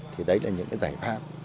thì đấy là những giải pháp